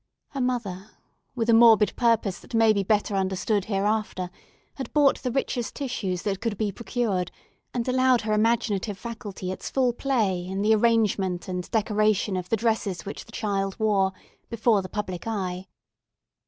Her mother, with a morbid purpose that may be better understood hereafter, had bought the richest tissues that could be procured, and allowed her imaginative faculty its full play in the arrangement and decoration of the dresses which the child wore before the public eye.